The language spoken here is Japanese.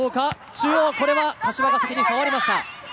中央、これは柏が先に触りました。